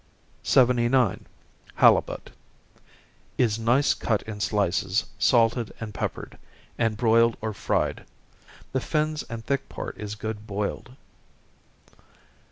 79. Halibut. Is nice cut in slices, salted and peppered, and broiled or fried. The fins and thick part is good boiled.